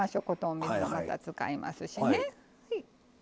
お水まだ使いますしね。